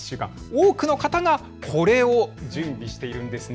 多くの方がこれを準備しているんですね。